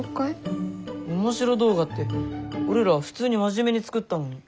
オモシロ動画って俺ら普通に真面目に作ったのに。